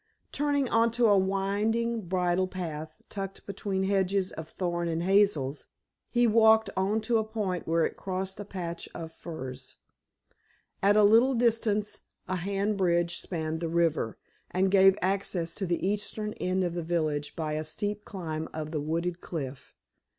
Turning into a winding bridle path tucked between hedges of thorn and hazels, he walked to a point where it crossed a patch of furze. At a little distance a hand bridge spanned the river, and gave access to the eastern end of the village by a steep climb of the wooded cliff.